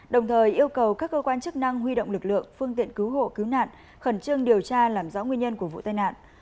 đồng thời yêu cầu các cơ quan chức năng huy động lực lượng phương tiện cứu hộ cứu nạn khẩn trương điều tra làm rõ nguyên nhân của vụ tai nạn